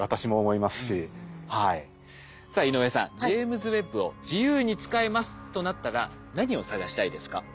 さあ井上さんジェイムズ・ウェッブを自由に使えますとなったら何を探したいですか？